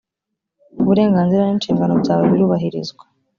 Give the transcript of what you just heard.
uburenganzira n’inshingano byawe birubahirizwa